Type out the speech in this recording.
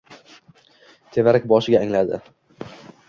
Tevarak-boshiga alangladi.